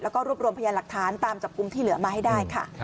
แล้วก็รวบรวมพยานหลักฐานตามจับกลุ่มที่เหลือมาให้ได้ค่ะ